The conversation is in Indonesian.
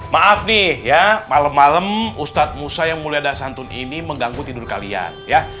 maaf nih ya malam malam ustadz musa yang mulai ada santun ini mengganggu tidur kalian ya